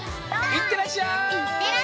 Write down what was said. いってらっしゃい！